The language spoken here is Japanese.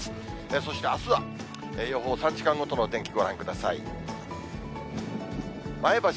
そしてあすは、予報、３時間ごとのお天気ご覧ください。